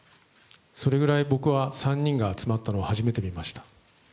それくらい僕は３人が集まったのを初めて見ました。